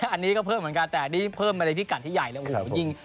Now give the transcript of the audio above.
อันนี้ก็เพิ่มเหมือนกันแต่นี้เพิ่มมะละพี่กรรดิที่ใหญ่นะ